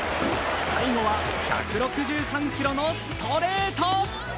最後は１６３キロのストレート。